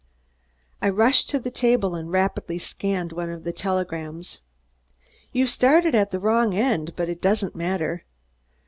I rushed to the table and rapidly scanned one of the telegrams. "You've started at the wrong end, but it doesn't matter.